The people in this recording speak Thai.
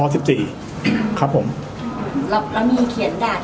แล้วแล้วมีเขียนฏะ